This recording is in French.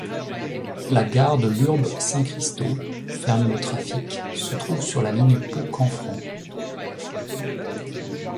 La gare de Lurbe-Saint-Christau, fermée au trafic, se trouve sur la ligne Pau-Canfranc.